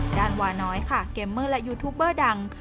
วาน้อยค่ะเกมเมอร์และยูทูปเบอร์ดัง